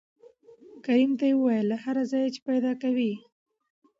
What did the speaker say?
کريم ته يې وويل له هر ځايه چې پېدا کوې.